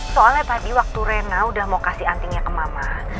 soalnya tadi waktu rena udah mau kasih antingnya ke mama